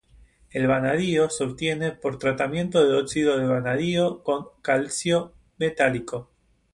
El vanadio se obtiene por tratamiento de óxido de vanadio con calcio metálico.